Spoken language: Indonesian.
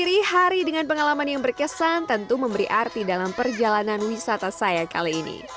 berdiri hari dengan pengalaman yang berkesan tentu memberi arti dalam perjalanan wisata saya kali ini